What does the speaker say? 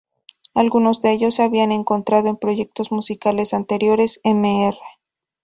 Algunos de ellos se habían encontrado en proyectos musicales anteriores: "Mr.